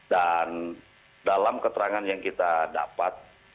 dan dalam keterangan yang kita dapat